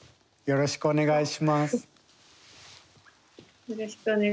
よろしくお願いします。